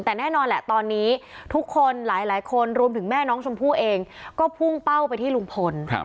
แต่แน่นอนแหละตอนนี้ทุกคนหลายคนรวมถึงแม่น้องชมพู่เองก็พุ่งเป้าไปที่ลุงพล